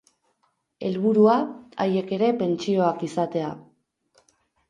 Helburua, haiek ere pentsioak izatea.